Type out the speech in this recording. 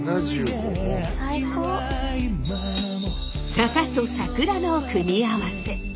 坂と桜の組み合わせ。